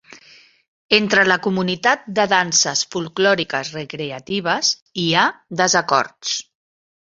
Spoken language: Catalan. Entre la comunitat de danses folklòriques recreatives hi ha desacords.